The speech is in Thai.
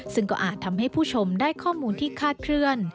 ซึ่งก็อาจทำให้ผู้ชมได้ข้อมูลที่คาดเคลื่อน